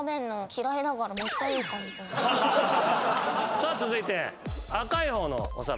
さあ続いて。